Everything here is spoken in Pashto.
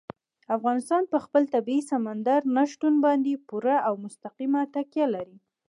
افغانستان په خپل طبیعي سمندر نه شتون باندې پوره او مستقیمه تکیه لري.